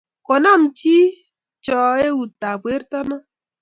Ko nam chi choo eut ab wertonno